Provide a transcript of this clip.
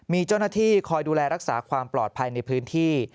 มีเจ้าหน้าที่คอยดูแลรักษาความปลอดภัยในพื้นที่